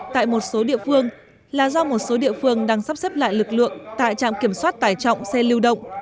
tại một số địa phương là do một số địa phương đang sắp xếp lại lực lượng tại trạm kiểm soát tải trọng xe lưu động